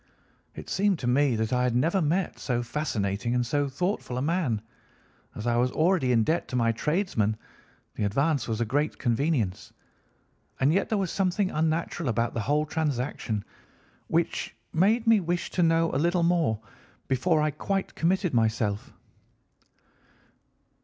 "It seemed to me that I had never met so fascinating and so thoughtful a man. As I was already in debt to my tradesmen, the advance was a great convenience, and yet there was something unnatural about the whole transaction which made me wish to know a little more before I quite committed myself.